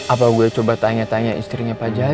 apa gue coba tanya tanya istrinya pak jajah ya